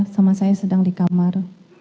sama saya sedang di kamar